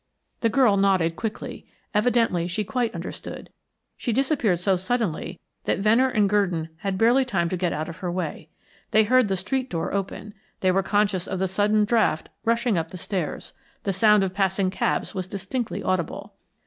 The girl nodded quickly. Evidently she quite understood. She disappeared so suddenly that Venner and Gurdon had barely time to get out of her way. They heard the street door open they were conscious of the sudden draught rushing up the stairs; the sound of passing cabs was distinctly audible.